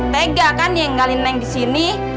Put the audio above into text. tega kan dia nenggalin neng di sini